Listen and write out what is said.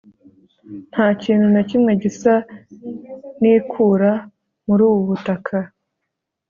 nta kintu na kimwe gisa n'ikura muri ubu butaka